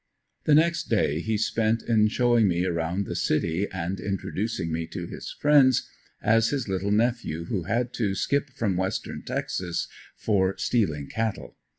The next day he spent in showing me around the city and introducing me to his friends as his little nephew who had to "skip" from western Texas for stealing cattle.